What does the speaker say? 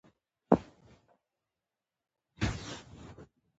د ب کرنسي د الف دوه واحدونه اخلي.